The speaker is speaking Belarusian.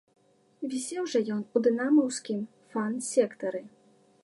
Вісеў жа ён у дынамаўскім фан-сектары.